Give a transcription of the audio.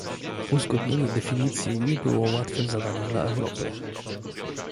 uzgodnienie definicji nie było łatwym zadaniem dla Europy